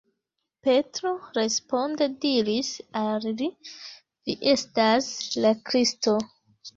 Petro responde diris al li: Vi estas la Kristo.